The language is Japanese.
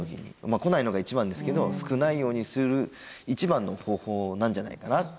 来ないのが一番ですけど少ないようにする一番の方法なんじゃないかなって今思いました。